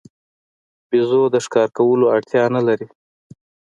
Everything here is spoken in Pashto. بیزو د ښکار کولو اړتیا نه لري.